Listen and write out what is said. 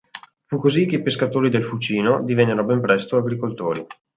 Fu così che i pescatori del Fucino divennero ben presto agricoltori.